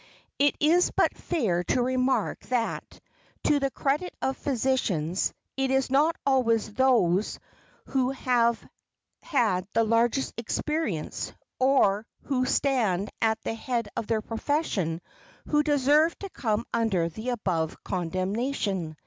It is but fair to remark that, to the credit of physicians, it is not always those who have had the largest experience, or who stand at the head of their profession who deserve to come under the above condemnation.